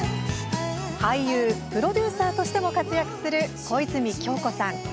俳優、プロデューサーとしても活躍する小泉今日子さん。